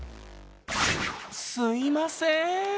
すいません。